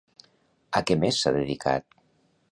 A què més s'ha dedicat?